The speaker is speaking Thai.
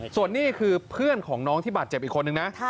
ส่วนนี้คือเพื่อนของน้องที่บาดเจ็บอีกคนนึงนะ